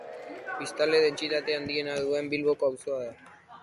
Biztanle dentsitate handiena duen Bilboko auzoa da.